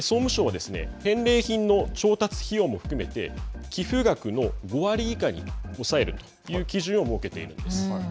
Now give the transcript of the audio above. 総務省は返礼品の調達費用も含めて寄付額の５割以下に抑えるという基準を設けているんです。